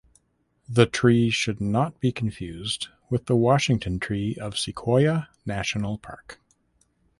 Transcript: The tree should not be confused with the Washington Tree of Sequoia National Park.